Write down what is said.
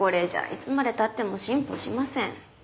いつまで経っても進歩しません。